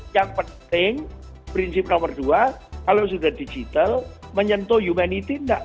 yang penting prinsip nomor dua kalau sudah digital menyentuh humanity nggak